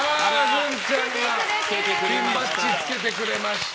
グンちゃんがピンバッジ着けてくれました。